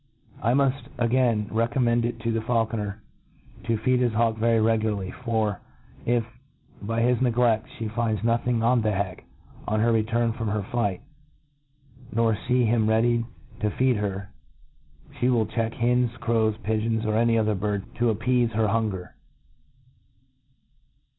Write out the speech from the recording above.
I muft again recommend it to the faulconer to feed his hawk very regularly ; for if, by his negle6t,fhe find nothing on the heck pn her return from her flight, hor fee him ready to feed her, (he will check hens, crows, pigeons, qr any other birds, to appeafc her hunger.